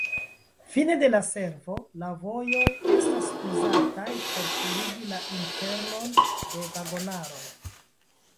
Fine de la servo, la vojoj estas uzataj por purigi la internon de vagonaroj.